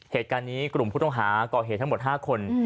เหตุการณ์นี้กลุ่มผู้ต้องหาก่อเหตุทั้งหมด๕คน